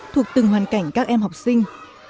thuộc từng hoàn cảnh các em học sinh